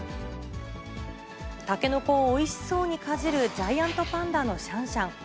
タケノコをおいしそうにかじるジャイアントパンダのシャンシャン。